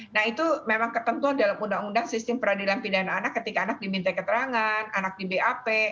nah itu memang ketentuan dalam undang undang sistem peradilan pidana anak ketika anak diminta keterangan anak di bap